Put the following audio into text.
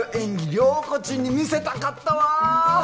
涼子ちんに見せたかったわ！